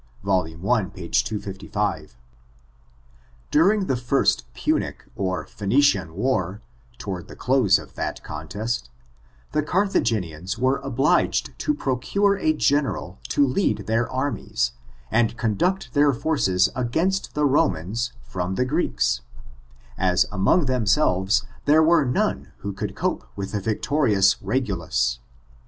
— Vol. i, p. 255. During the first Punic or Phoenician war, toward the close of that contest, the Carthagenians were obliged to procure a general to lead their armies, and conduct their forces against the Romans^ from the Greeks^ as among themselves there were none who could cope with the victorious Regulns.